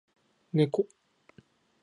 猫